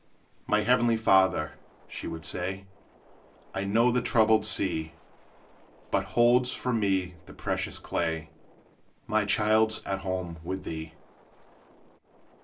"My heavenly Father," she would say, "I know the troubled sea But holds from me the precious clay: My child 's at home with thee!"